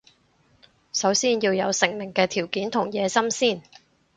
首先要有成名嘅條件同野心先